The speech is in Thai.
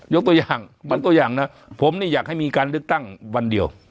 ยกตัวอย่างนะผมนี่อยากให้มีการเลือกตั้งวันเดียว